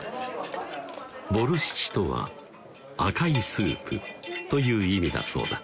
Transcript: ボルシチとは赤いスープという意味だそうだ